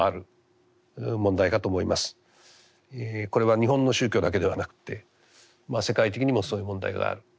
これは日本の宗教だけではなくて世界的にもそういう問題がある。